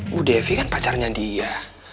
bu devi kan pacarnya dia